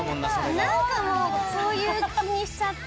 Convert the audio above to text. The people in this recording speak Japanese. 何かもうそういう気にしちゃって。